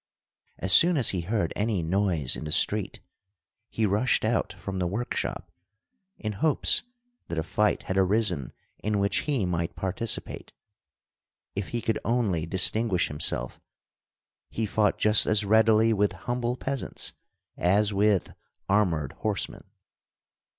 As soon as he heard any noise in the street, he rushed out from the workshop, in hopes that a fight had arisen in which he might participate. If he could only distinguish himself, he fought just as readily with humble peasants as with armored horsemen.